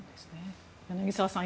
柳澤さん